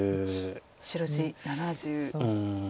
白地７０。